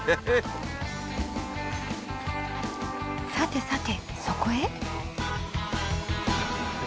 さてさてそこへ。